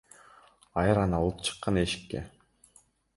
Айран алып чыккан эшикке.